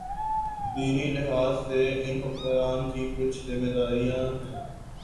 دینی لحاظ سے ان حکمرانوں کی کچھ ذمہ داریاں ہیں۔